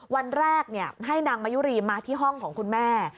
วันแรกให้นางมายุรีมาที่ห้องของคุณแม่